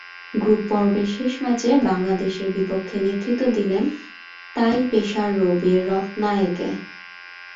Group পর্বের শেষ ম্যাচে বাংলাদেশের বিপক্ষে নেতৃত্ব দিলেন তাই পেসার রবি রত্নায়েকে।